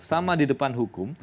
sama di depan hukum